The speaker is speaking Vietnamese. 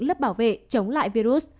lớp bảo vệ chống lại virus